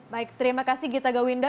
baik terima kasih gita gawinda